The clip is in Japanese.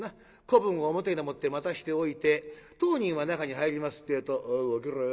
子分を表でもって待たしておいて当人は中に入りますってぇと。